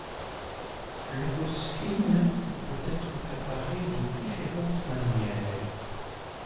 La phosphine peut être préparée de différentes manières.